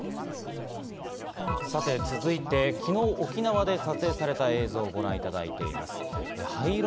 続いて、昨日沖縄で撮影された映像をご覧いただいています。